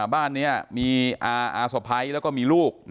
บ้านนี้มีอาสะพ้ายแล้วก็มีลูก